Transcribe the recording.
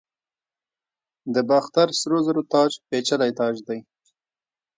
د باختر سرو زرو تاج پیچلی تاج دی